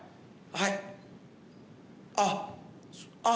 はい。